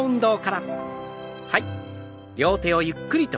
はい。